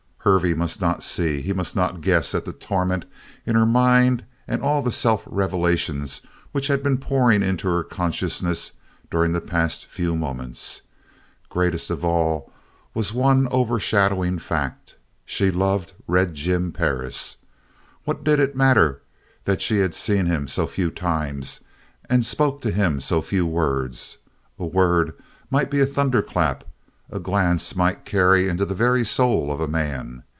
Hervey must not see. He must not guess at the torment in her mind and all the self revelations which had been pouring into her consciousness during the past few moments. Greatest of all was one overshadowing fact: she loved Red Jim Perris! What did it matter that she had seen him so few times, and spoke to him so few words? A word might be a thunderclap; a glance might carry into the very soul of a man.